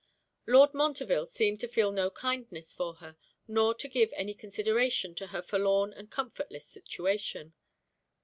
Lord Montreville seemed to feel no kindness for her; nor to give any consideration to her forlorn and comfortless situation.